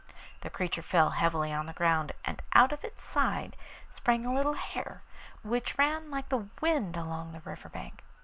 The creature fell heavily on the ground, and out of its side sprang a little hare, which ran like the wind along the river bank.